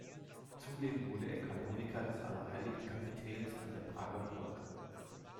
Zudem wurde er Kanoniker des Allerheiligen-Kapitels an der Prager Burg.